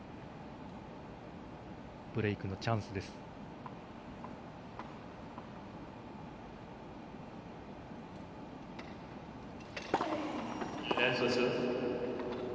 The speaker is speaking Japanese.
ブレークのチャンスです。